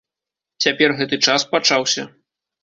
Цяпер гэты час пачаўся.